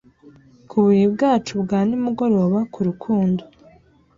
ku buriri bwacu bwa nimugoroba ku rukundo